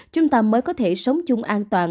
chúng ta mới có thể sống chung an toàn